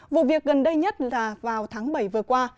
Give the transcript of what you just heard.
vụ việc gần đây nhất là vào tháng bảy vừa qua